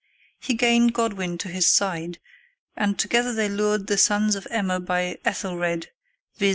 He gained Godwin to his side, and together they lured the sons of Emma by Ethelred viz.